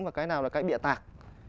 và cái nào là cái địa tạc